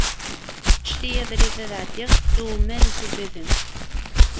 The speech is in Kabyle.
Ğǧet-iyi abrid ad ɛeddiɣ, iwumi ara yi-tugadem?